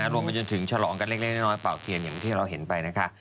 รวมไปจนถึงฉลองกันเล็กน้อยเป่าเทียนอย่างที่เราเห็นไปนะคะ